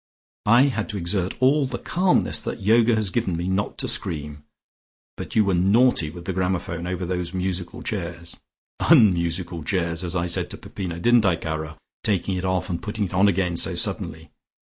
I had to exert all the calmness that Yoga has given me not to scream. But you were naughty with the gramophone over those musical chairs unmusical chairs, as I said to Peppino, didn't I, caro? taking it off and putting it on again so suddenly.